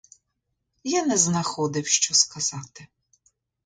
Я не знаходив що сказати.